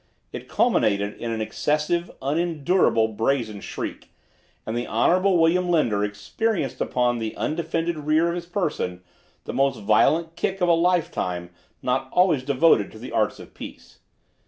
It culminated in an excessive, unendurable, brazen shriek—and the Honorable William Linder experienced upon the undefended rear of his person the most violent kick of a lifetime not always devoted to the arts of peace.